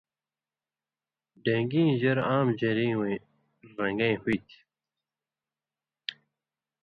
ڈېن٘گی ژر عام ژری وَیں رن٘گَیں ہُوئ تھی